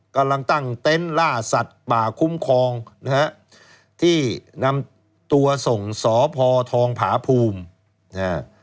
กำลังตั้งเต็นต์ล่าสัตว์ป่าคุ้มครองนะฮะที่นำตัวส่งสพทองผาภูมินะฮะ